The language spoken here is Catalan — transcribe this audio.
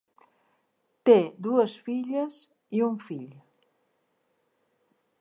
Té dues filles i un fill.